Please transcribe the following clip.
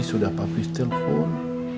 sudah papis telepon